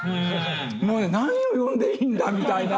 もうね何を読んでいいんだみたいな。